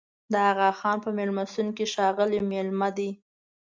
د اغاخان په مېلمستون کې ښاغلي مېلمانه دي.